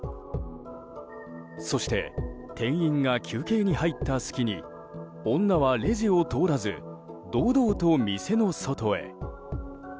そして、店員が休憩に入った隙に女はレジを通らず堂々と店の外へ。